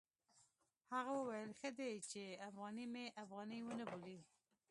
هغه وویل ښه دی چې افغاني مې افغاني ونه بولي.